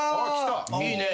いいね。